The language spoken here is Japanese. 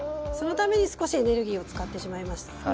そのために少しエネルギーを使ってしまいました。